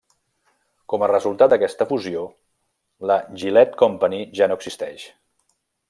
Com a resultat d'aquesta fusió, la Gillette Company ja no existeix.